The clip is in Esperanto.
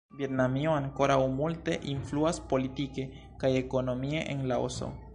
Vjetnamio ankoraŭ multe influas politike kaj ekonomie en Laoso.